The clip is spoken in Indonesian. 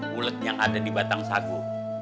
mulet yang ada di batang sagu